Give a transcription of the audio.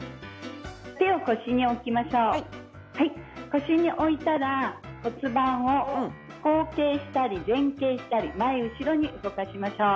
腰に置いたら骨盤を後傾したり前傾したり前後ろに動かしましょう。